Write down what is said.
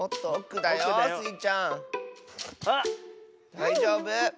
だいじょうぶ。